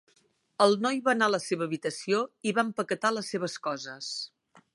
El noi va anar a la seva habitació i va empaquetar les seves coses.